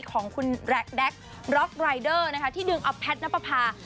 ของคุณแด๊กร็อกรายเดอร์นะคะที่ดึงเอาแพทย์นับประพา